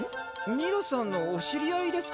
ミラさんのお知り合いですか？